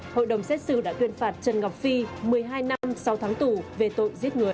hội đồng xét xử đã tuyên phạt trần ngọc phi một mươi hai năm sáu tháng tù về tội giết người